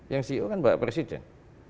yang ceo kan bapak presiden